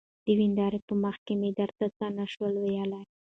د ويندارې په مخکې مې درته څه نشوى ويلى.